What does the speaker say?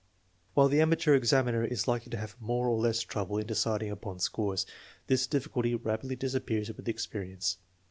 While the amateur examiner is likely to have more or less trouble in deciding upon scores, this difficulty rapidly disappears with experience.